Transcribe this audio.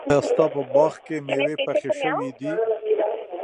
ایا ستا په باغ کې مېوې پخې شوي دي؟